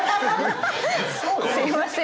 すみません。